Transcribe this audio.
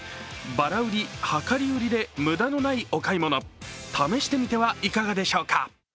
ばら売り、量り売りで無駄のないお買い物、試してみてはいかがでしょうか。